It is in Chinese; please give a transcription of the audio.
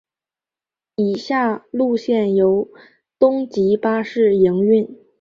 以下路线由东急巴士营运。